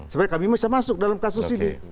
supaya kami bisa masuk dalam kasus ini